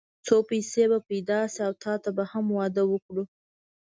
څو پيسې به پيدا شي او تاته به هم واده وکړو.